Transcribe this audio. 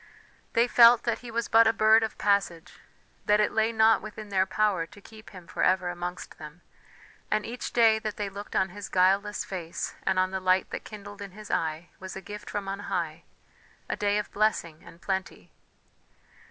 They felt that he was but a bird of passage, that it lay not within their power to keep him for ever amongst them, and each day that they looked on his guileless face and on the light that kindled in his eye, was a gift from on high, a day of blessing and plenty.